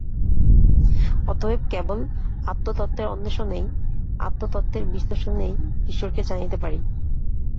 অতএব কেবল আত্মতত্ত্বের অন্বেষণেই, আত্মতত্ত্বের বিশ্লেষণেই ঈশ্বরকে জানিতে পারি।